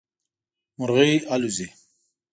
مرغی الوزي